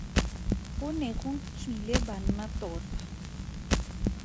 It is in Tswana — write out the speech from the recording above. Go ne go tswile banna tota.